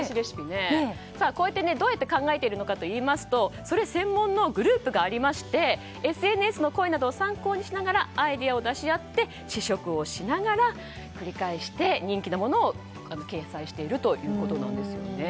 こういったものをどうやって考えているのかというとそれ専門のグループがありましてＳＮＳの声などを参考にしながらアイデアを出し合って試食を繰り返して人気のものを掲載しているということなんです。